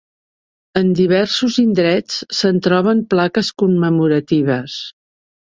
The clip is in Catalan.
En diversos indrets se'n troben plaques commemoratives.